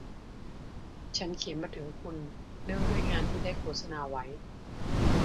ฉันเขียนมาถึงคุณเนื่องด้วยงานที่ได้โฆษณาไว้